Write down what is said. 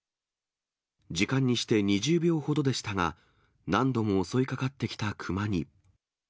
時間にして２０秒ほどでしたが、何度も襲いかかってきた熊に。